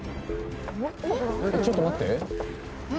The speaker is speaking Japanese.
ちょっと待って。